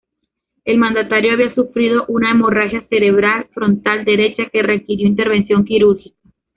El mandatario había sufrido una hemorragia cerebral frontal derecha que requirió intervención quirúrgica.